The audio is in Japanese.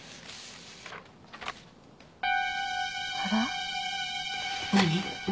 あら？何？